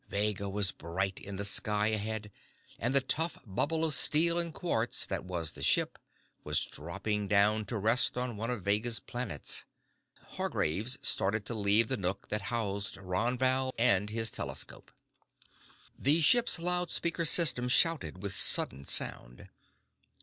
Vega was bright in the sky ahead and the tough bubble of steel and quartz that was the ship was dropping down to rest on one of Vega's planets. Hargraves started to leave the nook that housed Ron Val and his telescope. The ship's loudspeaker system shouted with sudden sound.